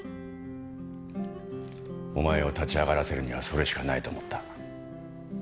お前を立ち上がらせるにはそれしかないと思った。